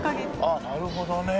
ああなるほどね。